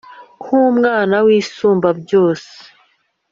Nk’Umwana w’Isumba Byose